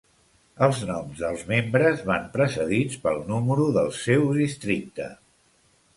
Els noms dels membres van precedits pel número dels seu districte.